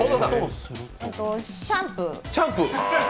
シャンプー。